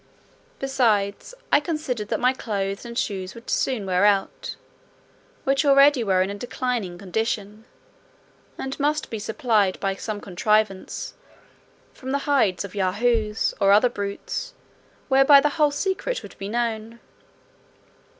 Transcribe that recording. Besides, I considered that my clothes and shoes would soon wear out, which already were in a declining condition, and must be supplied by some contrivance from the hides of Yahoos, or other brutes; whereby the whole secret would be known.